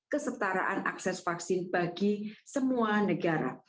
kesetaraan akses vaksin bagi semua negara